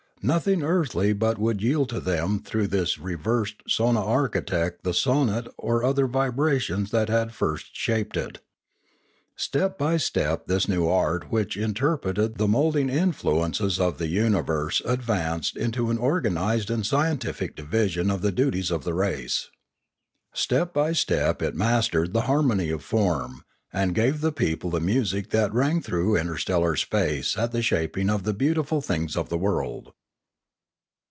Nothing earthly but would yield to them through this reversed sonarchitect the sonant or other vibrations that had at first shaped it. Step by step this new art which interpreted the moulding influences of the uni verse advanced into an organised and scientific division of the duties of the race. Step by step it mastered the harmony of form, and gave the people the music that rang through interstellar space at the shaping of the beautiful things of the world.